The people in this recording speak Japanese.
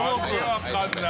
訳分かんないよ。